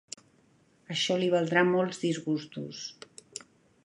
Això li valdrà molts disgustos.